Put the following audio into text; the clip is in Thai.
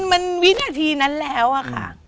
มันวินาทีนั้นแล้วอะค่ะ